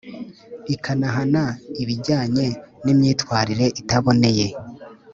ikanahana ibijyanye n imyitwarire itaboneye